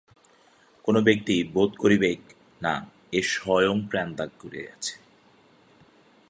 কোন ব্যক্তিই বোধ করিবেক না এ স্বয়ং প্রাণত্যাগ করিয়াছে।